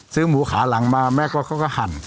ซื้อหมูขาหลังมาแม่ก็ก็ก็หั่น